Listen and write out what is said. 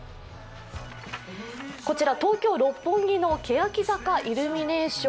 こちら東京・六本木のけやき坂イルミネーション。